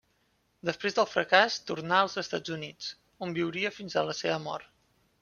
Després del fracàs tornà als Estats Units, on viuria fins a la seva mort.